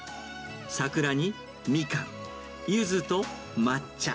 サクラにミカン、ユズと抹茶。